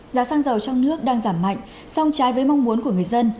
giá xăng dầu trong nước đang giảm mạnh song trái với mong muốn của người dân